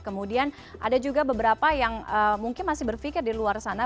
kemudian ada juga beberapa yang mungkin masih berpikir di luar sana